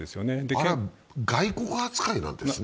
あれは外国扱いなんですね。